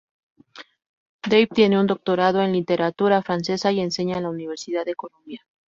Dave tiene un doctorado en literatura francesa y enseña en la Universidad de Columbia.